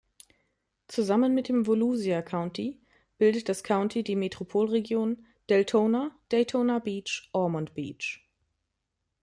Zusammen mit dem Volusia County bildet das County die Metropolregion Deltona–Daytona Beach–Ormond Beach.